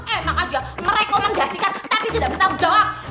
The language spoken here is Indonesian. enak aja merekomendasikan tapi tidak bertanggung jawab